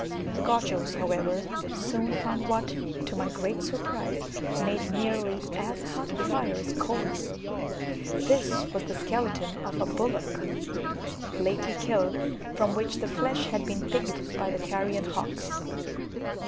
The Gauchos, however, soon found what, to my great surprise, made nearly as hot a fire as coals; this was the skeleton of a bullock lately killed, from which the flesh had been picked by the carrion hawks.